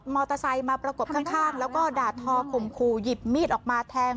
มอเตอร์ไซค์มาประกบข้างแล้วก็ดาดทอคุมคูยิบมีดออกมาแทง